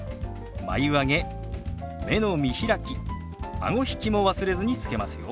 眉上げ目の見開きあご引きも忘れずにつけますよ。